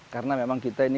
karena memang kita ini